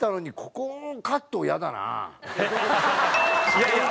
いやいや。